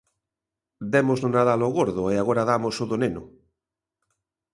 Demos no Nadal o Gordo e agora damos o do Neno.